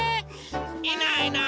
いないいない。